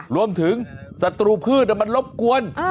รวมถึงศัตรูพืชมันรบกวน